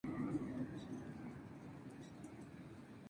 Estaba formado por al menos tres ex guardias civiles.